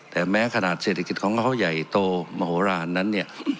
แต่แม้ขนาดเศรษฐกิจของเขาใหญ่โตมโหลานนั้นเนี่ย